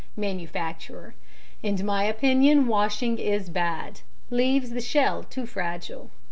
MANUFACTURER: In my opinion washing is bad, leaves the shell too fragile.